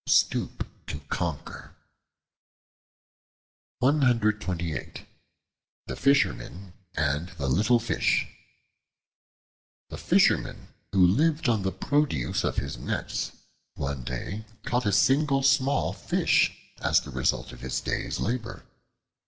Stoop to conquer. The Fisherman and the Little Fish A FISHERMAN who lived on the produce of his nets, one day caught a single small Fish as the result of his day's labor.